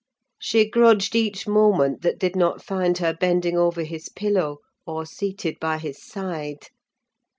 She grudged each moment that did not find her bending over his pillow, or seated by his side.